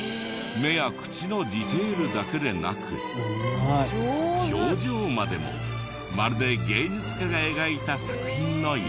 目や口のディテールだけでなく表情までもまるで芸術家が描いた作品のよう。